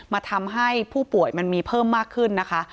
ทำให้ผู้ป่วยมันมีเพิ่มมากขึ้นนะคะ